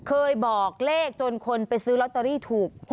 เคยบอกเลขจนคนไปซื้อลอตเตอรี่ถูก